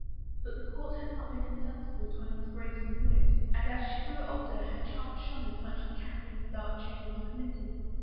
But the court had not been insensible to Anne's grace and wit, and as she grew older her charm shone as much as Catherine's dark chambers permitted.